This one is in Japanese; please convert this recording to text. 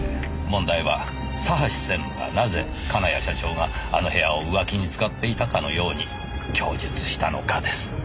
問題は佐橋専務がなぜ金谷社長があの部屋を浮気に使っていたかのように供述したのかです。